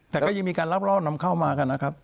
แต่ก็ยังมีการรับรอบนำเข้ามากันนะครับ